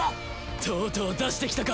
とうとう出してきたか。